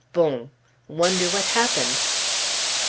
Bon! Wonder what happened?